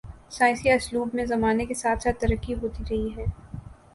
سائنسی اسلوب میں زمانے کے ساتھ ساتھ ترقی ہوتی رہی ہے۔